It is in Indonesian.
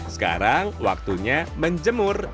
sekarang waktunya menjemur